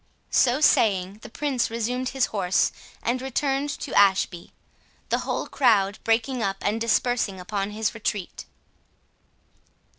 So saying, the Prince resumed his horse, and returned to Ashby, the whole crowd breaking up and dispersing upon his retreat.